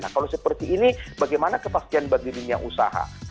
nah kalau seperti ini bagaimana kepastian bagi dunia usaha